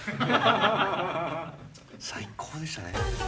最高でしたね。